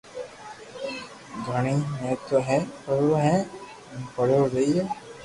گڻي مي تو ھي ڀريوڙو ھو ھين ڀريوڙو رھئي